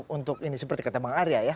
untuk ini seperti kata bang arya ya